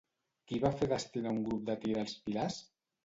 Qui va fer destinar un grup de Tir als pilars?